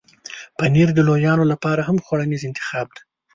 پنېر د لویانو لپاره هم خوړنیز انتخاب دی.